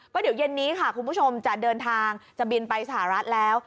ก็เดี๋ยวเย็นนี้ค่ะคุณผู้ชมจะเดินทางจะบินไปสหรัฐแล้ว